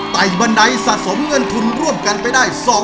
ไตบันไดสะสมเงินทุนร่วมกันไปได้